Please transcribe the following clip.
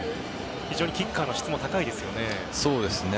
非常にキッカーの質も高いですね。